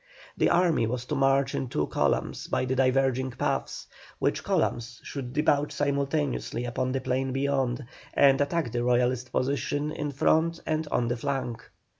The army was to march in two columns by the diverging paths, which columns should debouch simultaneously upon the plain beyond, and attack the Royalist position in front and on the flank.